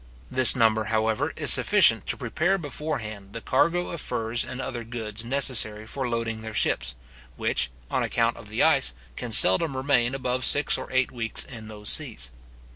This number, however, is sufficient to prepare beforehand the cargo of furs and other goods necessary for loading their ships, which, on account of the ice, can seldom remain above six or eight weeks in those seas.